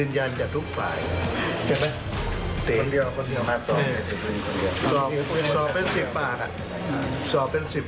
มีหลายนายใช่ไหมครับ